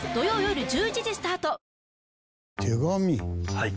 はい。